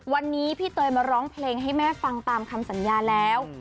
วันนี้พี่เตยมาร้องเพลงให้แม่ฟังตามคำสัญญาแล้ว